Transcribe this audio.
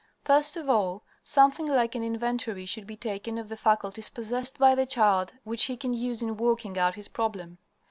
First of all, something like an inventory should be taken of the faculties possessed by the child which he can use in working out his problem.